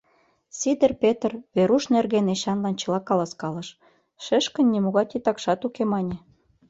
Сидыр Петр Веруш нерген Эчанлан чыла каласкалыш: «Шешкын нимогай титакшат уке», — мане.